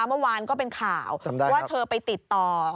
เมื่อวานก็เป็นข่าวว่าเธอไปติดต่อ